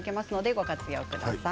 ご活用ください。